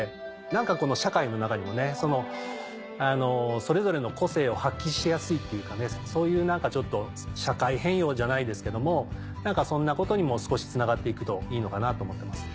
何かこの社会の中にもそれぞれの個性を発揮しやすいっていうかそういう社会変容じゃないですけどもそんなことにも少しつながって行くといいのかなと思ってます。